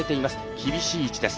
厳しい位置です。